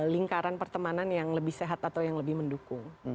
lingkaran pertemanan yang lebih sehat atau yang lebih mendukung